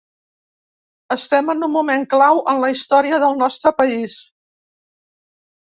Estem en un moment clau en la història del nostre país.